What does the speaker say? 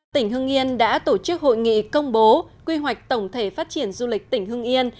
tỉnh hưng yên đã tổ chức hội nghị công bố quy hoạch tổng thể phát triển du lịch tỉnh hưng yên